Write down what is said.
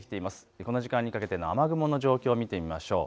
この時間にかけての雨雲の状況を見てみましょう。